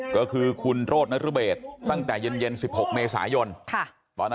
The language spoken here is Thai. ก็คือคุณโรดนัตรุเบสตั้งแต่เย็น๑๖เมษายน